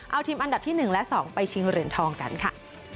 เอาทีมอันดับที่๑และ๒ไปชิงเหรียญทองกันค่ะ